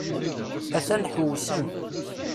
A-t-an ḥewsen.